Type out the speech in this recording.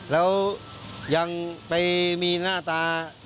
แล้วยังไปมีหน้าตา